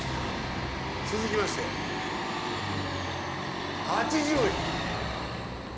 続きまして８０円。